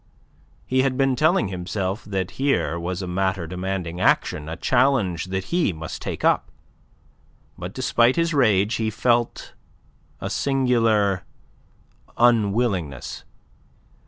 He had been telling himself that here was matter demanding action, a challenge that he must take up. But despite his rage he felt a singular unwillingness.